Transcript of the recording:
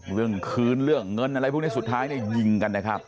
เรื่องคืนเรื่องเงินอะไรพวกนี้สุดท้ายเนี่ยยิงกันนะครับ